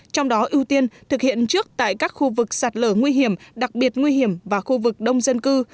trong đó ưu tiên thực hiện trước tại các khu vực sạt lở nguy hiểm đặc biệt nguy hiểm và khu vực đông dân cư